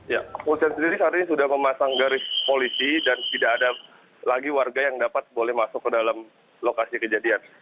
ya kepolisian sendiri saat ini sudah memasang garis polisi dan tidak ada lagi warga yang dapat boleh masuk ke dalam lokasi kejadian